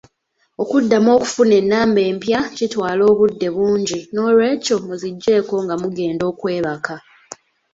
Okuddamu okufuna ennamba empya kitwala obudde bungi noolwekyo mu ziggyeeko nga mugenda okwebaka.